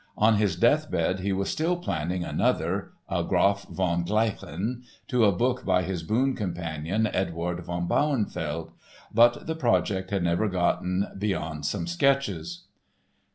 On his deathbed he was still planning another, a Graf von Gleichen, to a book by his boon companion, Eduard von Bauernfeld. But the project had never gotten beyond some sketches.